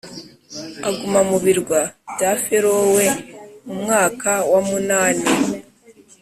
aguma mu birwa bya Ferowe Mu mwaka wa munani